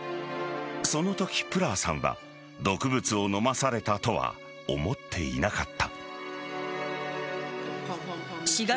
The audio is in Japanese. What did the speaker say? そのとき、プラーさんは毒物を飲まされたとは思っていなかった。